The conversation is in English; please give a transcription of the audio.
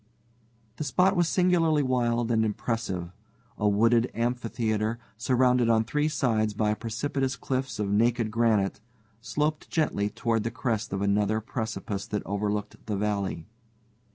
The spot was singularly wild and impressive. A wooded amphitheater, surrounded on three sides by precipitous cliffs of naked granite, sloped gently toward the crest of another precipice that overlooked the valley.